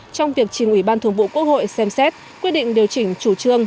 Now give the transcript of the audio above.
trong việc trình ủy ban thường vụ quốc hội xem xét quyết định điều chỉnh chủ trương